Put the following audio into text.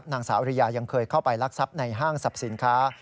นางสาวอริยายังเคยเข้าไปรักทรัพย์ในห้างสรรพสินค้า